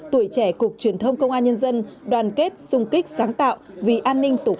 tuổi trẻ cục truyền thông công an nhân dân đoàn kết xung kích sáng tạo vì an ninh tổ quốc